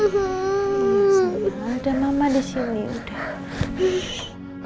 ya senang ada mama di sini udah